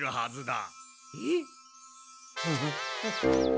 えっ！？